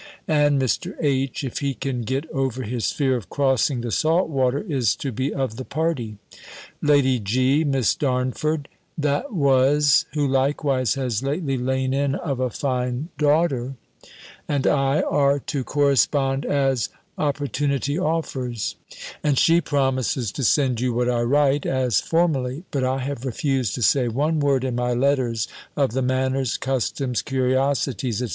And Mr. H. if he can get over his fear of crossing the salt water, is to be of the party. Lady G., Miss Damford that was (who likewise has lately lain in of a fine daughter), and I, are to correspond as opportunity offers; and she promises to send you what I write, as formerly: but I have refused to say one word in my letters of the manners, customs, curiosities, &c.